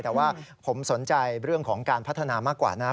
แต่ว่าผมสนใจเรื่องของการพัฒนามากกว่านะ